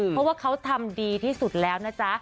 เพราะว่าเขาทำดีที่สุดแล้วนะจ๊ะ